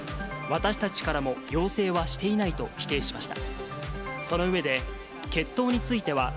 私たちからも要請はしていないと否定しました。